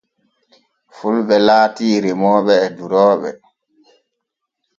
Fulɓe laati remooɓe e durooɓe.